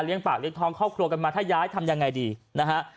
เลี้ยงภาษาครอบครัวกันถ้าย้ายทำยังไงดีนะฮะ